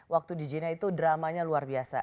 waktu di jina itu dramanya luar biasa